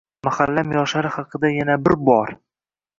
Mahallam yoshlari haqida yana bir bor